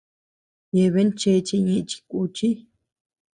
Yeabean chéche ñeʼe chi kùchi.